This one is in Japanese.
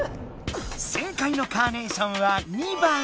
正解のカーネーションは２番！